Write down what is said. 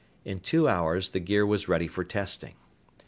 In two hours the gear was ready for testing.